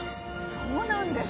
そうなんですか？